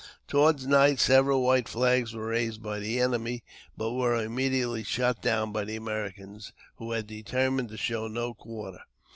Toward night several white flags were raised by the enemy, but were immediately shot down by the Americans, who had determined to show no quarter.